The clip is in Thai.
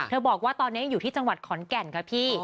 บอกว่าตอนนี้ยังอยู่ที่จังหวัดขอนแก่นค่ะพี่